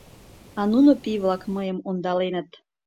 А нуно, пий-влак, мыйым ондаленыт.